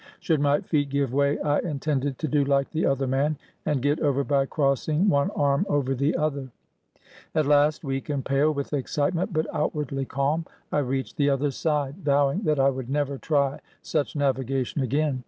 Should my feet give way, I intended to do like the other man, and get over by crossing one arm over the other. 426 CROSSING AN AFRICAN BRIDGE At last, weak and pale with excitement, but outwardly calm, I reached the other side, vowing that I would never try such navigation again.